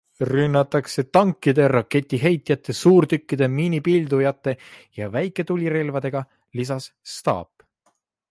Rünnatakse tankide, raketiheitjate, suurtükkide, miinipildujate ja väiketulirelvadega, lisas staap.